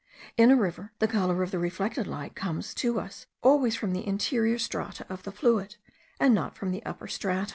In a river, the colour of the reflected light comes to us always from the interior strata of the fluid, and not from the upper stratum.